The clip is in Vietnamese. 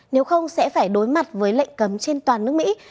nếu không sẽ phải đối mặt với lệnh cấm trên toàn nước mỹ